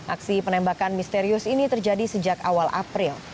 aksi penembakan misterius ini terjadi sejak awal april